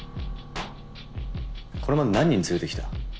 これまで何人連れてきた？